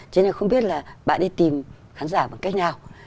cho nên không biết là bạn đi tìm khán giả bằng cách nào